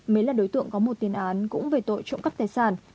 mến là đối tượng có một tiền án cũng về tội trộm cắp tài sản